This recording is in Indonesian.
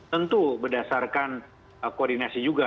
tentu berdasarkan koordinasi juga